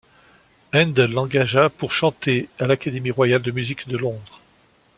Haendel l'engagea alors pour chanter à l'Académie Royale de Musique à Londres.